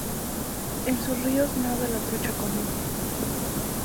En sus ríos nada la trucha común.